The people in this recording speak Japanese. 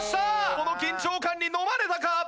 この緊張感にのまれたか？